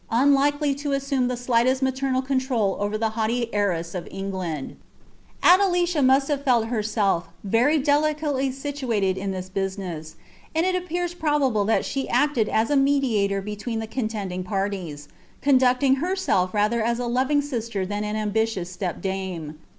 unlikely to assume the slightest IBatomal control over the iiaughty heiress of England. Adelicia must li:itr fr Ii ht rself very delicately situated in this business; and it appears ['< !<i'>l ilial she acted as a mediator between tlte contending parlies, I .' I ji iiri^' herself rather as a loving sister than an anibitious step dame.